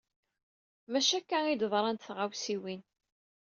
Maci akka ay d-ḍrant tɣawsiwin.